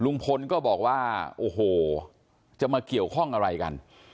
ลุงพลก็บอกว่าโอ้โหจะมาเกี่ยวข้องอะไรกัน